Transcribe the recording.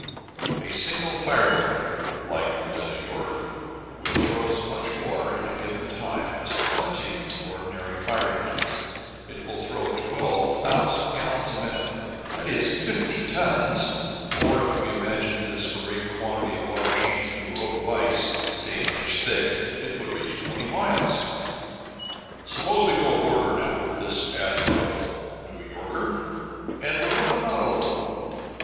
A single fire boat like the New Yorker will throw as much water in a given time as twenty ordinary fire engines: it will throw twelve thousand gallons in a minute that is, fifty tons; or, if we imagine this great quantity of water changed into a rope of ice, say an inch thick, it would reach twenty miles. Suppose we go aboard her now, this admirable New Yorker, and look about a little.